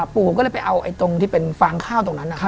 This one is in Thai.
ปู่ผมก็เลยไปเอาตรงที่เป็นฟางข้าวตรงนั้น